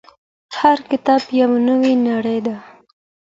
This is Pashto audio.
هر کتاب یو نوې نړۍ ده.